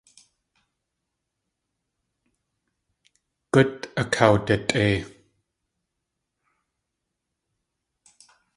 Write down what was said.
Gút akawditʼei.